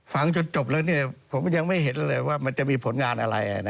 ฟังจนจบแล้วผมยังไม่เห็นเลยว่ามันจะมีผลงานอะไร